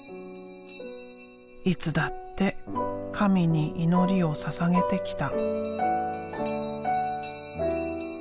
いつだって神に祈りをささげてきた。